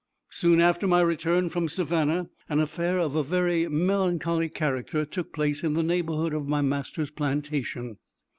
Soon after my return from Savannah, an affair of a very melancholy character took place in the neighborhood of my master's plantation.